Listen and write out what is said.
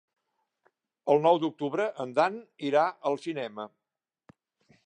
El nou d'octubre en Dan irà al cinema.